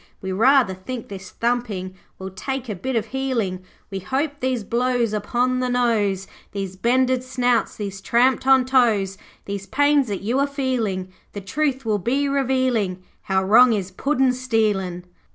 We rather think this thumping Will take a bit of healing. We hope these blows upon the nose, These bended snouts, these tramped on toes, These pains that you are feeling The truth will be revealing How wrong is puddin' stealing.'